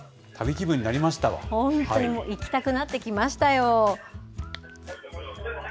本当、行きたくなってきましたよ。